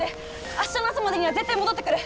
明日の朝までには絶対戻ってくる！